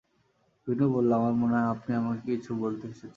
বিনু বলল, আমার মনে হয়, আপনি আমাকে কিছু বলতে এসেছেন।